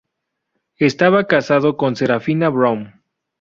Estaba casado con Serafina Brown.